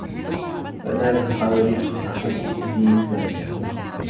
فَلَا تُخَالِفْهُ فِي مِيزَانِهِ